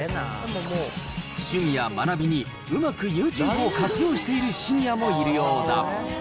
シニアは学びにうまくユーチューブを活用しているシニアもいるようだ。